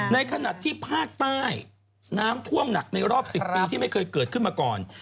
ในขณะที่ภาคใต้น้ำท่วมหนักในรอบ๑๐ปีที่ไม่เคยเกิดขึ้นมาก่อน